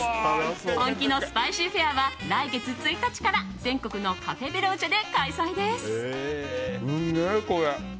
本気のスパイシーフェアは来月１日から全国のカフェ・ベローチェで開催です。